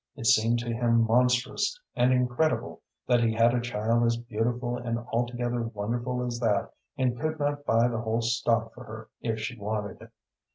It seemed to him monstrous and incredible that he had a child as beautiful and altogether wonderful as that, and could not buy the whole stock for her if she wanted it.